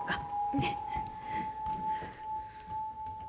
ねっ。